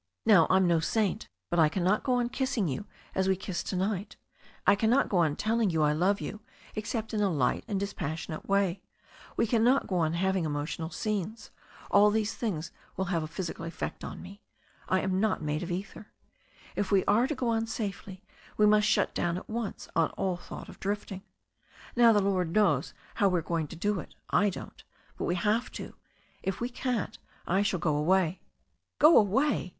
Now, I'm no saint, but I cannot go on kissing you as we kissed to night, I cannot go on telling THE STORY OF A NEW ZEALAND RIVER 199 you I love you, except in a light and dispassionate way, we cannot go on having emotional scenes — all these things will have a physical effect on me — I am not made of ether. If we are to go on safely, we must shut down at once on all thought of drifting. Now the Lord knows how we are going to do it. I don't But we have to. If we can't, I shall go away." "Go away